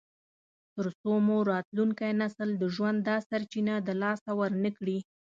تر څو مو راتلونکی نسل د ژوند دا سرچینه د لاسه ورنکړي.